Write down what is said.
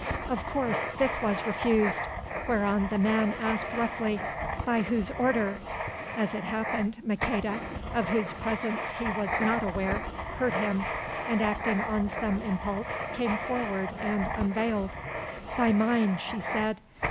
Of course, this was refused, whereon the man asked roughly: "By whose order?" As it happened, Maqueda, of whose presence he was not aware, heard him, and acting on some impulse, came forward, and unveiled. "By mine," she said.